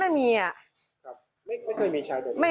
ไม่เคยมีใช้แบบนี้